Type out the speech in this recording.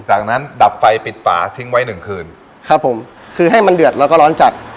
จากนั้นดับไฟปิดฝาทิ้งไว้หนึ่งคืนครับผมคือให้มันเดือดแล้วก็ร้อนจัด